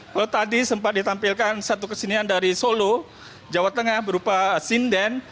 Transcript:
kalau tadi sempat ditampilkan satu kesenian dari solo jawa tengah berupa sinden